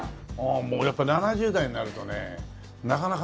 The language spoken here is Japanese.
もうやっぱ７０代になるとねなかなかね。